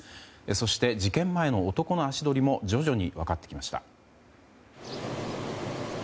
そして、事件前の男の足取りも徐々に分かってきました。